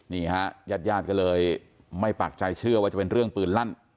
นี่ฮะญาติญาติก็เลยไม่ปากใจเชื่อว่าจะเป็นเรื่องปืนลั่น